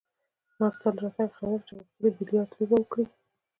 ما ستا له راتګه خبر کړ چې غوښتل يې بیلیارډ لوبه وکړي.